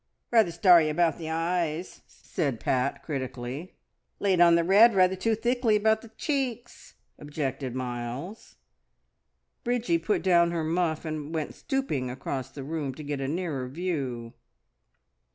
"Rather starry about the eyes!" said Pat critically. "Laid on the red rather too thickly about the cheeks!" objected Miles. Bridgie put down her muff, and went stooping across the room to get a nearer view.